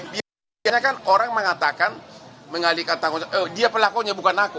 biasanya kan orang mengatakan mengalihkan takut dia pelakunya bukan aku